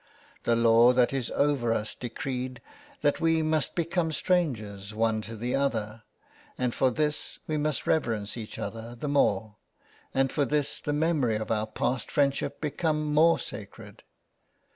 The law that is over us decreed that " we must become strangers one to the other ; and for '' this we must reverence each other the more, and '' for this the memory of our past friendship become '' more sacred.